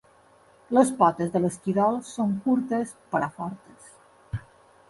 Les potes de l'esquirol són curtes però fortes.